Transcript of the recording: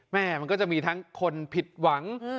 แม่มันก็จะมีทั้งคนผิดหวัง